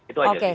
itu aja sih